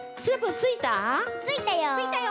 ついたよ！